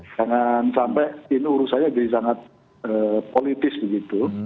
jangan sampai ini urus saya jadi sangat politis begitu